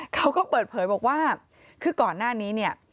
เขาก็เปิดเผยบอกว่าคือก่อนหน้านี้เนี่ย